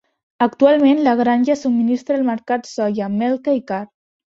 Actualment la granja subministra al mercat soja, melca i carn.